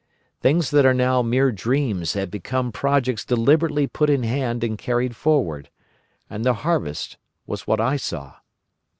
Things that are now mere dreams had become projects deliberately put in hand and carried forward. And the harvest was what I saw!